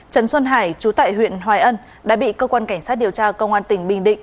trần xuân hải chú tại huyện hoài ân đã bị cơ quan cảnh sát điều tra công an tỉnh bình định